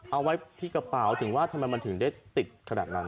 เอาไว้ที่กระเป๋าถึงว่าทำไมมันถึงได้ติดขนาดนั้น